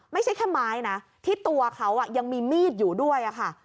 ไม่ใช่แค่ไม้นะที่ตัวเขายังมีมีดอยู่ด้วยค่ะ